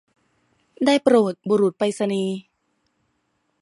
ได้โปรดบุรุษไปรษณีย์